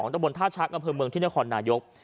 แต่บนทาชักกำเภอเมืองที่หน้าคอร์นหนายก